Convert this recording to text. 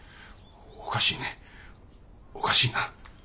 おかしいねおかしいな。